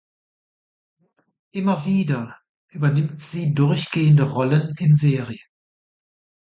Immer wieder übernimmt sie durchgehende Rollen in Serien.